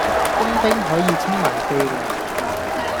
工兵可以清理地雷